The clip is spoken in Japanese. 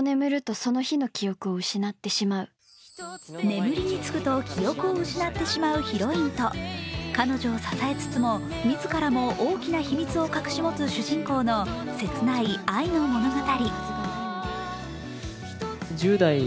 眠りにつくと記憶を失ってしまうヒロインと彼女を支えつつも、自らも大きな秘密を隠し持つ主人公の切ない愛の物語。